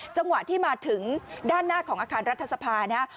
จังหวะที่มาถึงด้านหน้าของอาคารรัฐสภานะ